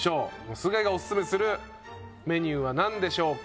菅井がオススメするメニューは何でしょうか？